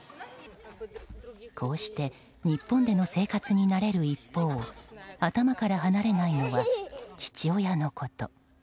こうして日本での生活に慣れる一方頭から離れないのは父親のこと。